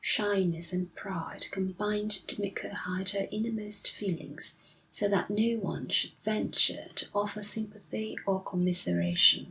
Shyness and pride combined to make her hide her innermost feelings so that no one should venture to offer sympathy or commiseration.